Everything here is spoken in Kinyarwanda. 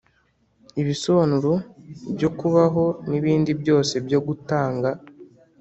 ibisobanuro byo kubaho nibindi byose byo gutanga.